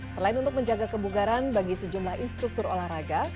selain untuk menjaga kebugaran bagi sejumlah instruktur olahraga